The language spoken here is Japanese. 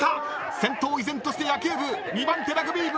先頭依然として野球部２番手ラグビー部。